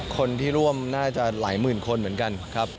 คนที่ร่วมน่าจะหลายหมื่นคนเหมือนกันครับ